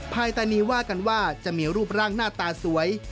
ภายตานีว่ากันว่าจะมีรูปร่างหน้าตาสวย